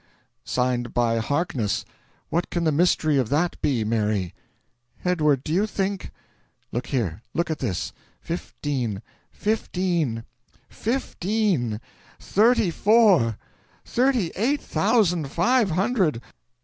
"Signed by Harkness. What can the mystery of that be, Mary?" "Edward, do you think " "Look here look at this! Fifteen fifteen fifteen thirty four. Thirty eight thousand five hundred!